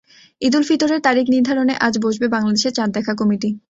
ঈদুল ফিতরের তারিখ নির্ধারণে আজ বসবে বাংলাদেশের চাঁদ দেখা কমিটি।